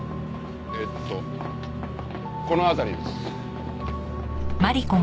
えっとこの辺りです。